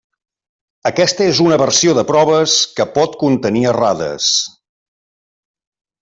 Aquesta és una versió de proves que pot contenir errades.